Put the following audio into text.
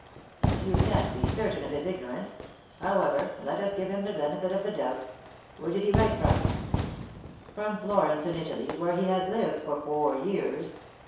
"You can't be certain of his ignorance. However, let us give him the benefit of the doubt. Where did he write from?" "From Florence, in Italy, where he has lived for four years.